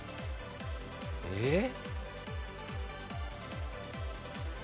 えっ？